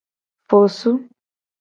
Fosu.